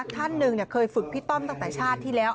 ท่านหนึ่งเคยฝึกพี่ต้อมตั้งแต่ชาติที่แล้ว